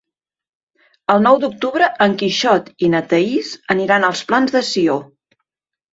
El nou d'octubre en Quixot i na Thaís aniran als Plans de Sió.